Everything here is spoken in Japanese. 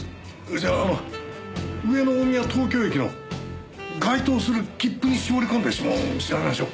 じゃあ上野大宮東京駅の該当する切符に絞り込んで指紋を調べましょう。